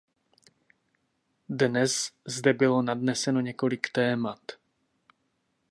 Dnes zde bylo nadneseno několik témat.